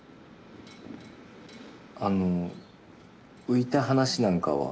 あの浮いた話なんかは？